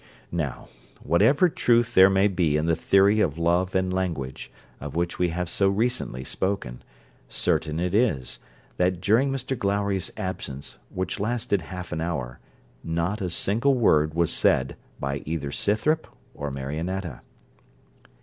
Now, whatever truth there may be in the theory of love and language, of which we have so recently spoken, certain it is, that during Mr Glowry's absence, which lasted half an hour, not a single word was said by either Scythrop or Marionetta.